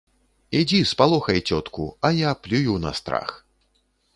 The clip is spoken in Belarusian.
Ідзі спалохай цётку, а я плюю на страх.